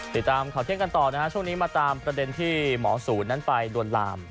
ติดตามข่าวเที่ยงกันต่อนะฮะช่วงนี้มาตามประเด็นที่หมอศูนย์นั้นไปลวนลาม